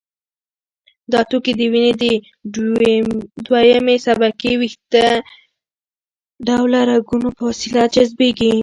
دا توکي د وینې د دویمې شبکې ویښته ډوله رګونو په وسیله جذبېږي.